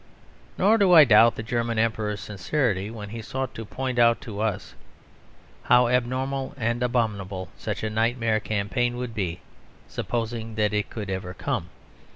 Nor do I doubt the German Emperor's sincerity when he sought to point out to us how abnormal and abominable such a nightmare campaign would be, supposing that it could ever come.